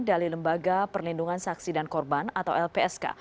dari lembaga perlindungan saksi dan korban atau lpsk